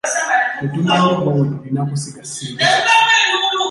Tetumanyi wa we tulina kusiga ssente zaffe.